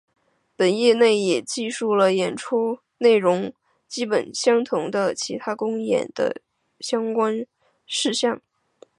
本页内也记述了演出内容基本相同的其他公演的相关事项。